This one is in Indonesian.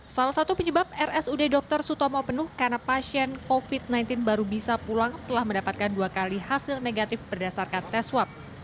salah satu penyebab rsud dr sutomo penuh karena pasien covid sembilan belas baru bisa pulang setelah mendapatkan dua kali hasil negatif berdasarkan tes swab